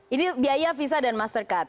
ini biaya visa dan mastercard